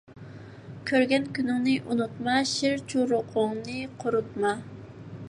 كۆرگەن كۈنۈڭنى ئۇنۇتما، شىرچۇرۇقۇڭنى قۇرۇتما.